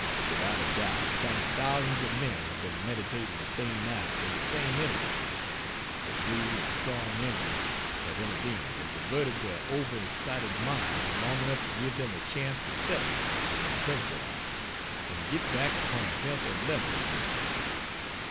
Without a doubt some thousands of men have been meditating the same act in the same interval, but new and strong interests have intervened and diverted their over excited minds long enough to give them a chance to settle, and tranquilize, and get back upon a healthy level again.